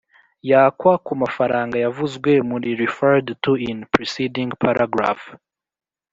yakwa ku mafaranga yavuzwe mu referred to in the preceding paragraph